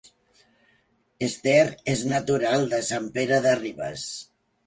Esther és natural de Sant Pere de Ribes